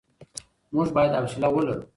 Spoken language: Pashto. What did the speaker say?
موږ بايد حوصله ولرو.